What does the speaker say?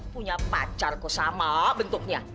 punya pacar kok sama bentuknya